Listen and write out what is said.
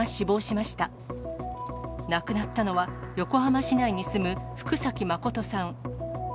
亡くなったのは、横浜市内に住む福崎誠さん。